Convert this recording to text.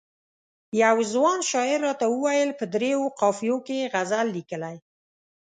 یوه ځوان شاعر راته وویل په دریو قافیو کې یې غزل لیکلی.